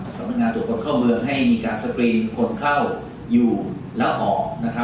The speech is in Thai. สำนักงานตรวจคนเข้าเมืองให้มีการสกรีนคนเข้าอยู่แล้วออก